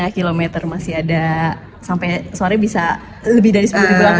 lima km masih ada sampai sore bisa lebih dari sepuluh